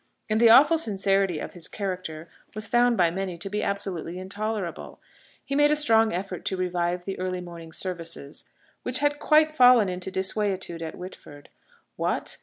And the awful sincerity of his character was found by many to be absolutely intolerable. He made a strong effort to revive the early morning services, which had quite fallen into desuetude at Whitford. What!